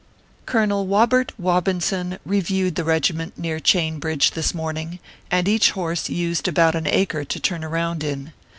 Colonel Wobert Wobinson reviewed the regiment near Chain Bridge this morning, and each horse used about an acre to turn around in.